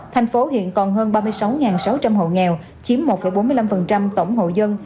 thành phố hiện còn hơn ba mươi sáu sáu trăm linh hộ nghèo chiếm một bốn mươi năm tổng hộ dân